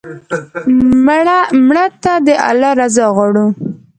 مړه ته د الله رضا غواړو